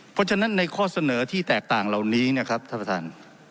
เพราะฉะนั้นในข้อเสนอที่แตกต่างเหล่านี้นะครับท่านประธาน